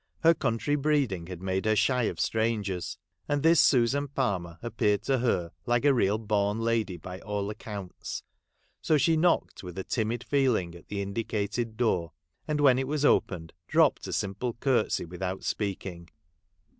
Her country breeding had made her shy of strangers, and this Susan Palmer appeared to her like a real born la, dy by all accounts. So, she knocked with a timid feel ing at the indicated door, and when it was opened, dropped a simple curtsey without speaking.